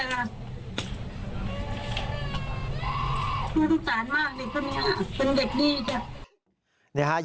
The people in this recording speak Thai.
คุณสงสารมากเลยพวกนี้เป็นเด็กดี